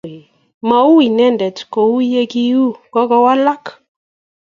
Mau inendet kou ye kiu keny, kogowalak.